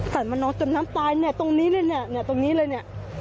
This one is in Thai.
มานอนจมน้ำตายเนี่ยตรงนี้เลยเนี่ยตรงนี้เลยเนี่ย